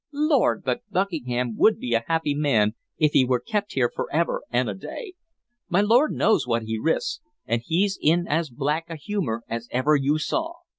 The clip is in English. Lord! but Buckingham would be a happy man if he were kept here forever and a day! My lord knows what he risks, and he's in as black a humor as ever you saw.